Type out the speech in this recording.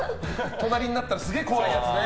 隣になったらすげえ怖いやつね。